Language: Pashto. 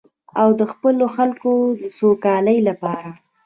او د خپلو خلکو د سوکالۍ لپاره.